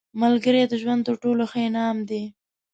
ملګری د ژوند تر ټولو ښه انعام دی